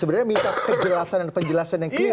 sebenarnya minta penjelasan yang clear